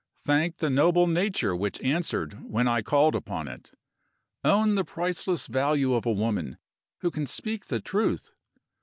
Thank the noble nature which answered when I called upon it! Own the priceless value of a woman who can speak the truth.